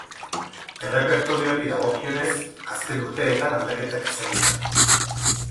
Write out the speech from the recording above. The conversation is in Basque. Errepertorioari dagokionez, azken urteetan aldaketak izan dira.